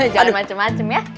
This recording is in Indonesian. jangan macem macem ya